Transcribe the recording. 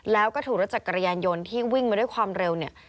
แล้วก็ถูกรถจักรยานยนต์ที่วิ่งมาด้วยความเร็วเนี่ย